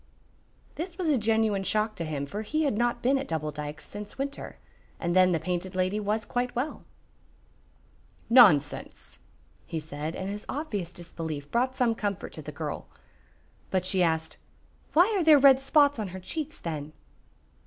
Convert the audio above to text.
This was a genuine shock to him, for he had not been at Double Dykes since winter, and then the Painted Lady was quite well. "Nonsense!" he said, and his obvious disbelief brought some comfort to the girl. But she asked, "Why are there red spots on her cheeks, then?"